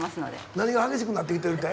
何が激しくなってきてるって？